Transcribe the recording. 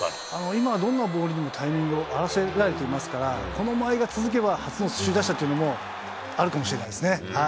今、どんなボールにもタイミングを合わせられていますから、この間合いが続けば、初の首位打者というのも、あるかもしれないですね。